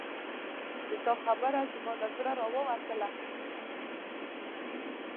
د تا خبره زما له زړه راووتله